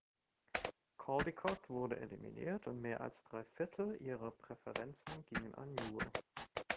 Caldicott wurde eliminiert und mehr als drei Viertel ihrer Präferenzen gingen an Newell.